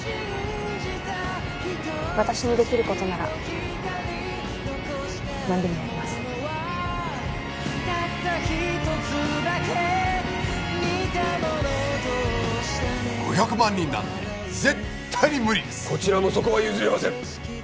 私にできることなら何でもやります５００万人なんて絶対に無理ですこちらもそこは譲れません！